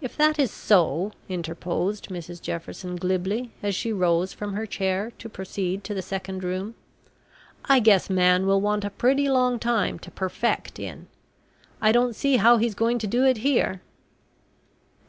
"If that is so," interposed Mrs Jefferson, glibly, as she rose from her chair to proceed to the Second Room "I guess man will want a pretty long time to `perfect' in. I don't see how he's going to do it here."